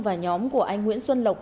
và nhóm của anh nguyễn xuân lộc